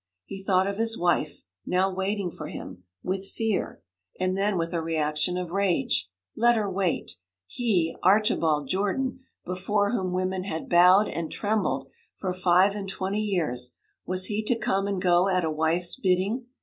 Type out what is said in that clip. He thought of his wife (now waiting for him) with fear, and then with a reaction of rage. Let her wait! He Archibald Jordan before whom women had bowed and trembled for five and twenty years was he to come and go at a wife's bidding?